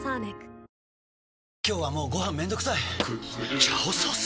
今日はもうご飯めんどくさい「炒ソース」！？